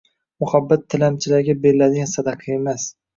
Muhabbat tilamchilarga beriladigan sadaqa emas